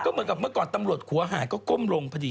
เหมือนกับเมื่อก่อนตำรวจหัวหายก็ก้มลงพอดี